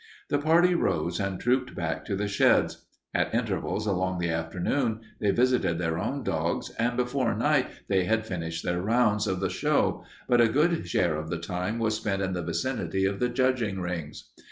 The party rose and trooped back to the sheds. At intervals during the afternoon they visited their own dogs and before night they had finished their rounds of the show, but a good share of the time was spent in the vicinity of the judging rings.